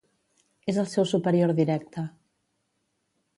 És el seu superior directe.